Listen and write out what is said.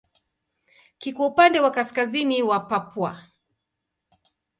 Kiko upande wa kaskazini wa Papua.